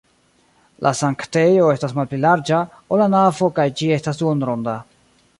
La sanktejo estas malpli larĝa, ol la navo kaj ĝi estas duonronda.